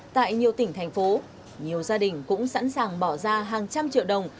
tại nhiều tỉnh thành phố nhiều gia đình cũng sẵn sàng bỏ ra hàng trăm triệu đồng